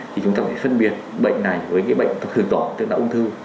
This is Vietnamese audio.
thì chúng ta phải phân biệt bệnh này với những bệnh thường tỏ tức là ung thư